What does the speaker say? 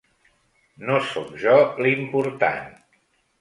No sóc jo, l'important.